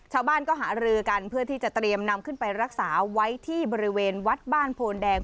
ชาวบ้านก็หารือกันเพื่อที่จะเตรียมนำขึ้นไปรักษาไว้ที่บริเวณวัดบ้านโพนแดง